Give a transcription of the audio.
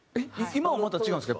今はまた違うんですか？